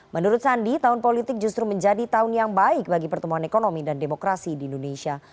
menurut sandi tahun politik justru menjadi tahun yang baik bagi pertumbuhan ekonomi dan demokrasi di indonesia